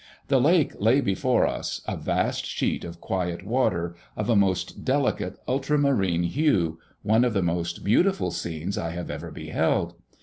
The lake lay before us, a vast sheet of quiet water, of a most delicate ultramarine hue, one of the most beautiful scenes I have ever beheld.